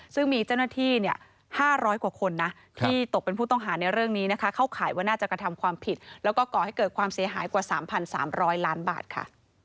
ซึ่งมีเจ้าหน้าที่๕๐๐กว่าคนนะที่ตกเป็นผู้ต้องหาในเรื่องนี้นะคะเข้าข่ายว่าน่าจะกระทำความผิดแล้วก็ก่อให้เกิดความเสียหายกว่า๓๓๐๐ล้านบาทค่ะ